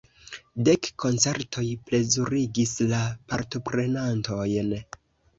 Dek koncertoj plezurigis la partoprenantojn.